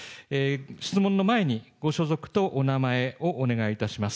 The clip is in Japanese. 質問の前にご所属とお名前をお願いいたします。